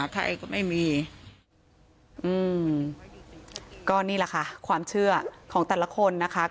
ก็นี่แหละค่ะความเชื่อของแต่ละคนนะค่ะ